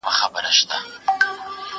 هغه څوک چي پاکوالی کوي منظم وي؟!